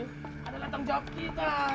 adalah tanggung jawab kita